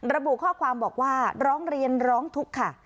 ระบุข้อความบอกว่าร้องเรียนร้องทุกข์ค่ะ